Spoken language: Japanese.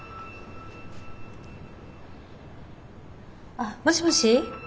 あっもしもし？